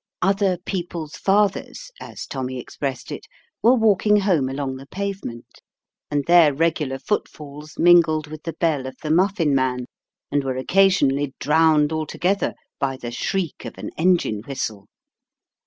" Other people's fathers," as Tommy expressed it, were walking home along the pavement, and their regular footfalls mingled with the bell of the muffin man, and were occasionally drowned alto gether by the shriek of an engine whistle.